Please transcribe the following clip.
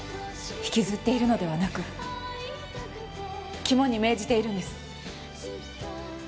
引きずっているのではなく肝に銘じているんです。